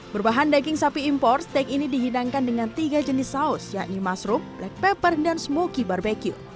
berbahan daging sapi impor steak ini dihidangkan dengan tiga jenis saus yakni mushroom black pepper dan smoky barbecue